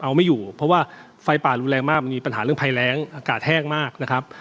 เอาไม่อยู่เพราะว่าไฟป่ารุนแรงมากมันมีปัญหาเรื่องภัยแรงอากาศแห้งมากนะครับ